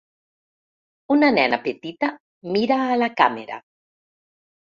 Una nena petita mira a la càmera.